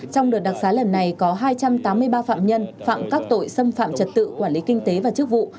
trong đợt đặc xá lần này có hai trăm tám mươi ba phạm nhân phạm các tội xâm phạm trật tự quản lý kinh tế và chức vụ